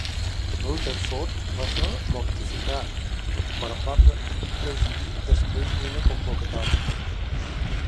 Rutherford va ser mortificat, però va presidir després d'una convocatòria.